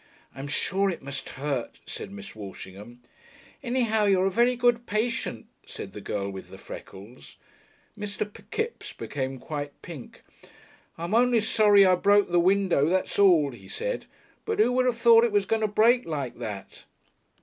"I'm sure it must hurt," said Miss Walshingham. "Anyhow, you're a very good patient," said the girl with the freckles. Mr. Kipps became quite pink. "I'm only sorry I broke the window that's all," he said. "But who would have thought it was going to break like that?"